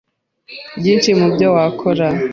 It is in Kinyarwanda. Byinshi mu byo wakora